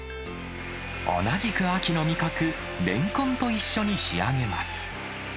同じく秋の味覚、レンコンと一緒に仕上げます。